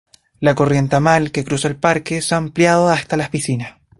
La corriente Amal, que cruza el parque, se ha ampliado hasta las piscinas.